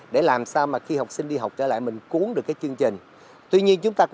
vào cùng một lúc